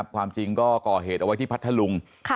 ความจริงก็ก่อเหตุเอาไว้ที่พัทธลุง